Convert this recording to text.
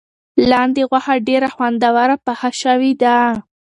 لاندي غوښه ډېره خوندوره پخه شوې ده.